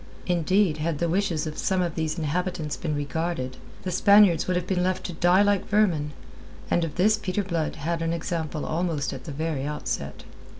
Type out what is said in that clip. Indeed, had the wishes of some of these inhabitants been regarded, the Spaniards would have been left to die like vermin, and of this Peter Blood had an example almost at the very outset.